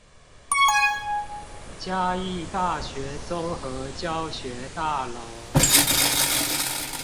嘉義大學綜合教學大樓